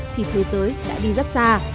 thì thế giới đã đi rất xa